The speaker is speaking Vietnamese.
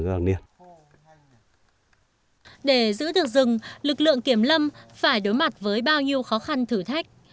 để giữ được rừng lực lượng kiểm lâm phải đối mặt với bao nhiêu khó khăn thử thách